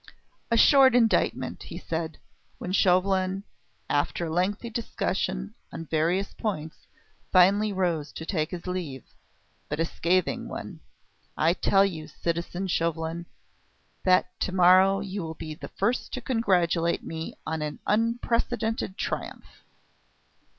"A short indictment," he said, when Chauvelin, after a lengthy discussion on various points, finally rose to take his leave, "but a scathing one! I tell you, citizen Chauvelin, that to morrow you will be the first to congratulate me on an unprecedented triumph."